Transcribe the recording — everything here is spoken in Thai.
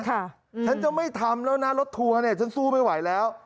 ฉันจะไม่ทำแล้วนะรถทัวร์เนี่ยฉันสู้ไม่ไหวแล้ว